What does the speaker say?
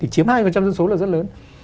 chiếm hai dân số là rất lớn